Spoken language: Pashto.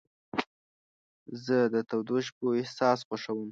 زه د تودو شپو احساس خوښوم.